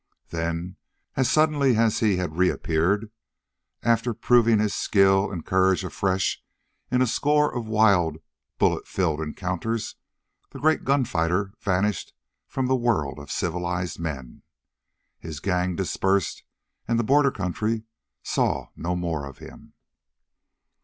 Then, as suddenly as he had reappeared, after proving his skill and courage afresh in a score of wild, bullet filled encounters, the great gunfighter vanished from the world of civilized men. His gang dispersed and the border country saw no more of him.